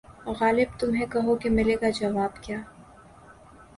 غالبؔ تمہیں کہو کہ ملے گا جواب کیا